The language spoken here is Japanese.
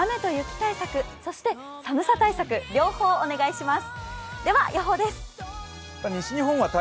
今日は雨と雪対策、そして寒さ対策、両方お願いします